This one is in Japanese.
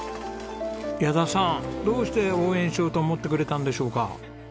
矢田さんどうして応援しようと思ってくれたんでしょうか？